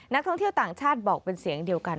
นักท่องเที่ยวต่างชาติบอกเป็นเสียงเดียวกัน